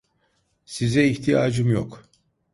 Size ihtiyacım yok.